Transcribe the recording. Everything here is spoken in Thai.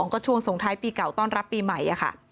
ก็ช่วงสงท้ายปีเก่าต้อนรับปีใหม่ค่ะ